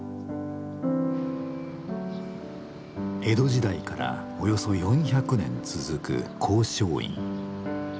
江戸時代からおよそ４００年続く光照院。